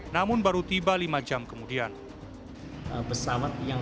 namun baru tiba lima jam kemudian